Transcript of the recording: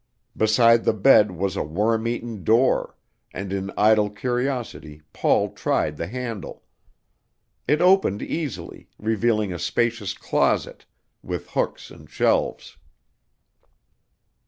Beside the bed was a worm eaten door, and in idle curiosity Paul tried the handle. It opened easily, revealing a spacious closet, with hooks and shelves.